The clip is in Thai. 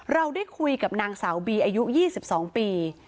เราได้คุยกับนางสาวบีอายุ๒๒ปี